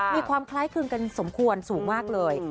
มีความคล้ายคลึงกันสมควรสูงมากเลย